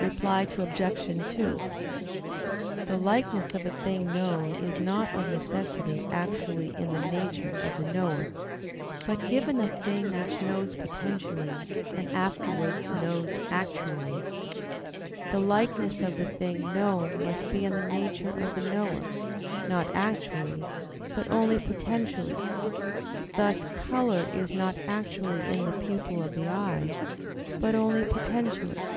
Reply Obj. 2: The likeness of a thing known is not of necessity actually in the nature of the knower; but given a thing which knows potentially, and afterwards knows actually, the likeness of the thing known must be in the nature of the knower, not actually, but only potentially; thus color is not actually in the pupil of the eye, but only potentially.